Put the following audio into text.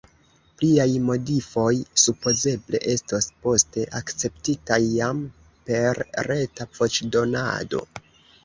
Pliaj modifoj supozeble estos poste akceptitaj jam per reta voĉdonado.